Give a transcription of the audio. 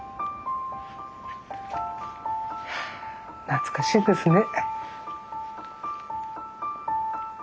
懐かしいですね。